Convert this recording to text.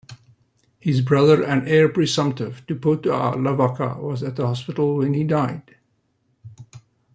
His brother and heir presumptive Tupouto'a Lavaka was at the hospital when he died.